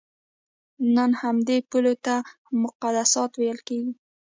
نن همدې پولو ته مقدسات ویل کېږي.